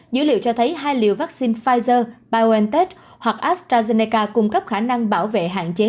dữ liệu cho thấy hai liều vaccine pfizer biontech hoặc astrazeneca cung cấp khả năng bảo vệ hạn chế